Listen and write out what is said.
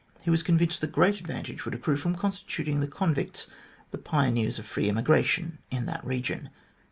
He was convinced that great advantage would accrue from constituting the convicts the pioneers of free emigration in that region.